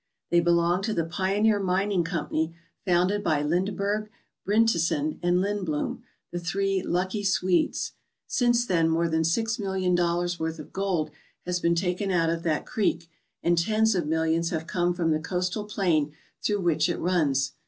They belong to the Pioneer Mining Company, founded by Lindeberg, Bryntesen, and Lindbloom, the "three lucky Swedes/' Since then more than six million dollars' worth of gold has been taken out of that creek, and tens of millions have come from the coastal plain through which it runs.